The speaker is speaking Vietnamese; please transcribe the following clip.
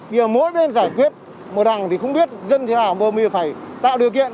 bây giờ mỗi bên giải quyết một đằng thì không biết dân thế nào mưa phải tạo điều kiện